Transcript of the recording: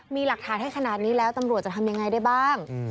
มีหลักฐานให้ขนาดนี้แล้วตำรวจจะทำยังไงได้บ้าง